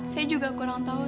saya juga kurang tahu